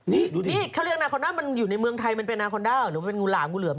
นี่ดูดินี่เขาเรียกนาคอนด้ามันอยู่ในเมืองไทยมันเป็นนาคอนด้าหรือมันเป็นงูหลามงูเหลือม